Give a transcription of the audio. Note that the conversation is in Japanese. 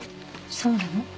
そうなの？